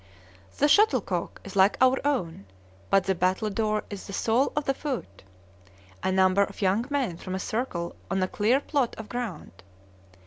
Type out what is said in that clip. The shuttlecock is like our own, but the battledore is the sole of the foot. A number of young men form a circle on a clear plot of ground.